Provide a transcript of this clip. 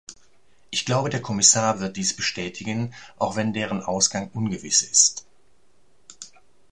Ich glaube, der Kommissar wird dies bestätigen, auch wenn deren Ausgang ungewiss ist.